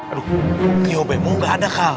aduh trio bmo gak ada kal